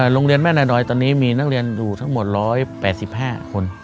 โรงเรียนแม่นาดอยตอนนี้มีนักเรียนอยู่ทั้งหมด๑๘๕คน